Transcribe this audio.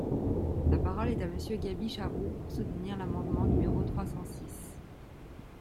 La parole est à Monsieur Gaby Charroux, pour soutenir l’amendement numéro trois cent six.